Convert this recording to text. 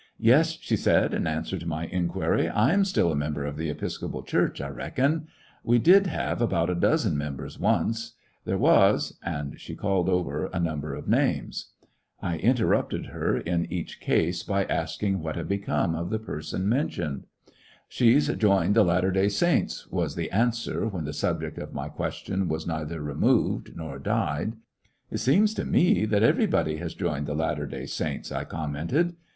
"Yes," she said, in answer to my inquiry, "I am still a member of the Episcopal Church, I reckon. We did have about a dozen mem bers once. There was—" and she called over a number of names. I interrupted her in each case by asking what had become of the person mentioned. 134 'IJ/lissionarY in tfie Great West "She 's joined the Latter day Saints," was the answer, when the subject of my question had neither removed nor died. "It seems to me that everybody has joined the Latter day Saints," I commented.